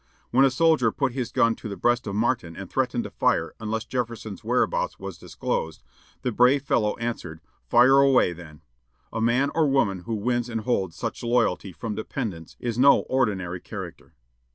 When a soldier put his gun to the breast of Martin and threatened to fire unless Jefferson's whereabouts was disclosed, the brave fellow answered, "Fire away, then!" A man or woman who wins and holds such loyalty from dependents is no ordinary character.